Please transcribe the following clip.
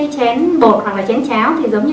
chén bột hoặc là chén cháo thì giống như